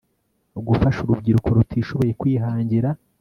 Gufasha urubyiruko rutishoboye kwihangira